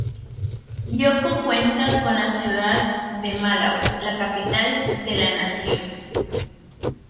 Bioko cuenta con la Ciudad de Malabo, la capital de la Nación.